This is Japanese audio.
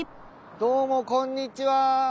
どうもこんにちは。